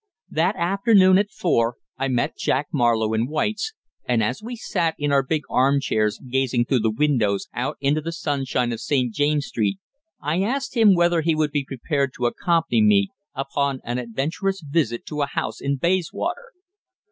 That afternoon, at four, I met Jack Marlowe in White's, and as we sat in our big arm chairs gazing through the windows out into the sunshine of St. James's Street, I asked him whether he would be prepared to accompany me upon an adventurous visit to a house in Bayswater.